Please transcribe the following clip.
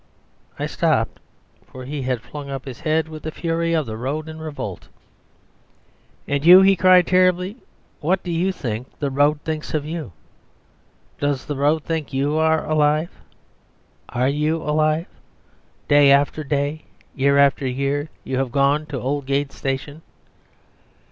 "I stopped, for he had flung up his head with the fury of the road in revolt. "'And you?' he cried terribly. 'What do you think the road thinks of you? Does the road think you are alive? Are you alive? Day after day, year after year, you have gone to Oldgate Station....